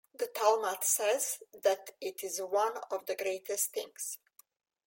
The Talmud says that it is one of the greatest things.